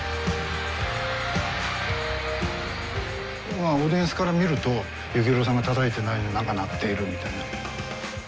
まあオーディエンスから見ると幸宏さんがたたいてないのに何か鳴っているみたいな。